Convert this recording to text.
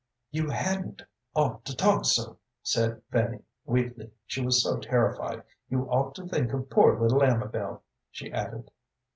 "You hadn't ought to talk so," said Fanny, weakly, she was so terrified. "You ought to think of poor little Amabel," she added.